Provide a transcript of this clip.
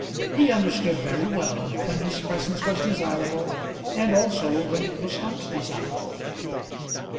He understood very well when his presence was desirable, and also when it was not desirable.